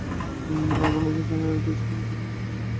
আর বাংলাদেশ ফাইনালে উঠেছে পাকিস্তান, নেপাল ও ভুটানকে হারিয়ে।